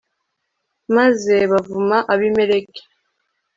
maze bavuma abimeleki